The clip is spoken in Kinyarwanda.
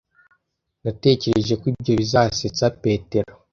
Natekereje ko ibyo bizasetsa Petero .